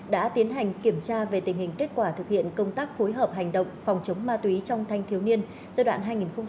đã tiến hành kiểm tra về tình hình kết quả thực hiện công tác phối hợp hành động phòng chống ma túy trong thanh thiếu niên giai đoạn hai nghìn một mươi bốn hai nghìn hai mươi